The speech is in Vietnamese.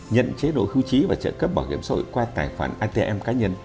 nhận chế độ hưu trí và trợ cấp bảo hiểm xã hội qua tài khoản atm cá nhân